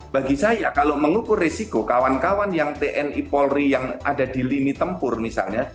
bagi saya kalau mengukur resiko kawan kawan yang tni polri yang ada di lini tempur misalnya